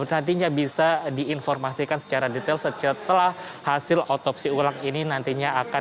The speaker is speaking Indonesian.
nantinya bisa diinformasikan secara detail setelah hasil otopsi ulang ini nantinya akan